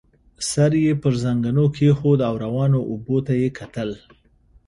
سر يې پر زنګنو کېښود او روانو اوبو ته يې کتل.